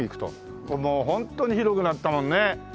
もうホントに広くなったもんね。